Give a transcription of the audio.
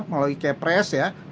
melalui kepres ya